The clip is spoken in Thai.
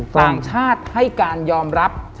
ต่างชาติให้การยอมรับ